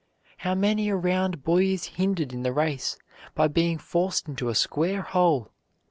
How many a round boy is hindered in the race by being forced into a square hole?